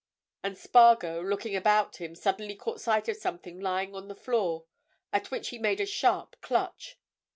And Spargo, looking about him, suddenly caught sight of something lying on the floor at which he made a sharp clutch.